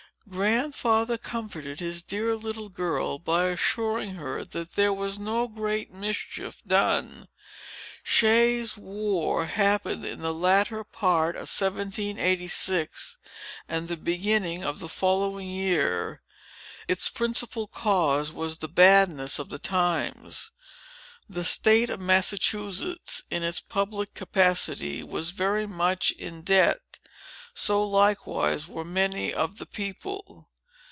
Grandfather comforted his dear little girl, by assuring her that there was no great mischief done. Shays's War happened in the latter part of 1786, and the beginning of the following year. Its principal cause was the badness of the times. The State of Massachusetts, in its public capacity, was very much in debt. So, likewise, were many of the people.